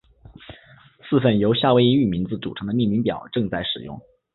四份由夏威夷语名字组成的命名表正在使用。